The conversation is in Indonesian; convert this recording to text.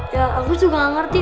ya aku juga gak ngerti